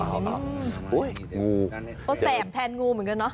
อ้าวอุ้ยงูต้องแสบแทนงูเหมือนกันเนอะ